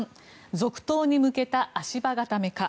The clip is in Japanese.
続投に向けた足場固めか。